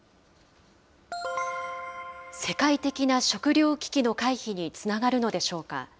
世界的な食料危機の回避につながるのでしょうか。